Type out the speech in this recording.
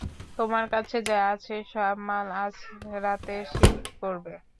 তোমার কাছে যা আছে সব মাল আজ রাতে শিফট করবে।